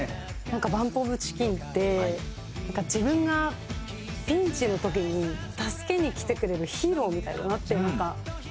ＢＵＭＰＯＦＣＨＩＣＫＥＮって自分がピンチの時に助けに来てくれるヒーローみたいだなって思いました。